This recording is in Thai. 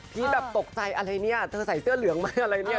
พี่แบบตกใจอะไรเนี่ยเธอใส่เสื้อเหลืองไหมอะไรเนี่ย